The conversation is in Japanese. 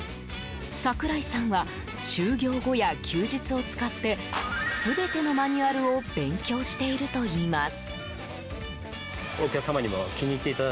櫻井さんは終業後や休日を使って全てのマニュアルを勉強しているといいます。